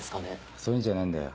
そういうんじゃねえんだよ。